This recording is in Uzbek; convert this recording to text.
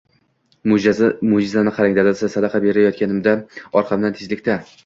Mo``jizani qarang dadasi, sadaqa berayotganimda, orqamdan tezlikda